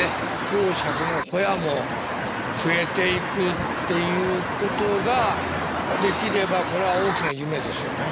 講釈の小屋も増えていくっていうことができればこれは大きな夢でしょうね。